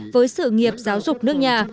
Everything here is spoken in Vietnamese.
với sự nghiệp giáo dục nước nhà